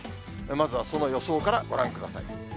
まずはその予想からご覧ください。